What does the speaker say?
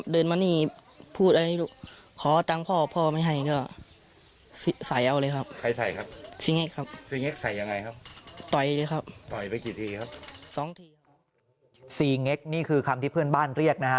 เง็กนี่คือคำที่เพื่อนบ้านเรียกนะฮะ